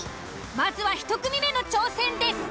まずは１組目の挑戦です。